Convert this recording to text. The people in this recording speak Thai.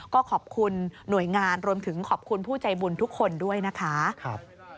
ก็ขอบคุณหน่วยงานรวมถึงขอบคุณผู้ใจบุญทุกคนด้วยนะคะ